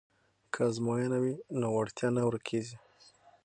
که ازموینه وي نو وړتیا نه ورکیږي.